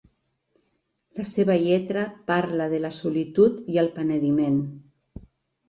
La seva lletra parla de la solitud i el penediment.